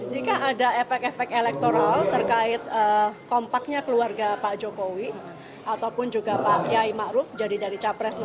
jika ada efek efek elektoral terkait kompaknya keluarga pak jokowi ataupun juga pak yai maruf jadi dari capres satu